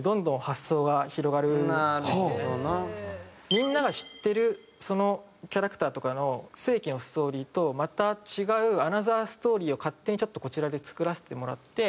みんなが知ってるキャラクターとかの正規のストーリーとまた違うアナザーストーリーを勝手にちょっとこちらで作らせてもらって。